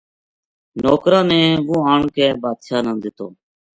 نوکراں نے وہ آن کے بادشاہ نا دیتو